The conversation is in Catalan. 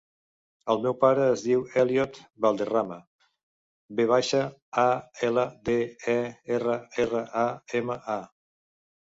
El meu pare es diu Elliot Valderrama: ve baixa, a, ela, de, e, erra, erra, a, ema, a.